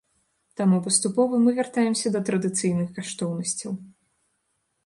Таму паступова мы вяртаемся да традыцыйных каштоўнасцяў.